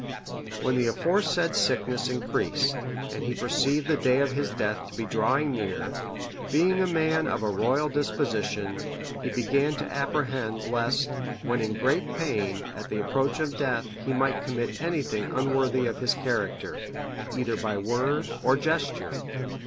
When the aforesaid sickness increased, and he perceived the day of his death to be drawing near, being a man of a royal disposition, he began to apprehend lest, when in great pain, at the approach of death, he might commit anything unworthy of his character, either by word or gesture.